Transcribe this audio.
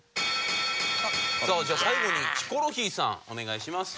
さあじゃあ最後にヒコロヒーさんお願いします。